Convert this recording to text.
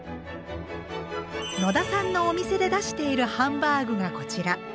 野田さんのお店で出しているハンバーグがこちら。